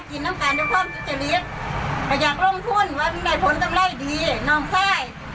อ๋อเจ้าสีสุข่าวของสิ้นพอได้ด้วย